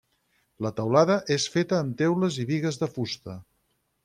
La teulada és feta amb teules i bigues de fusta.